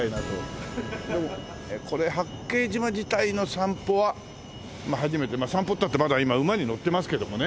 これ八景島自体の散歩はまあ初めてまあ散歩っていったってまだ今馬に乗ってますけどもね。